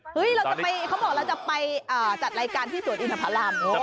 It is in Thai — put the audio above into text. เฮ้ยเขาบอกว่าเราจะไปจัดรายการที่สวนอินทธาลัมน์